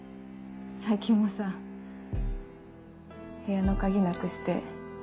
最近もさ部屋の鍵なくして。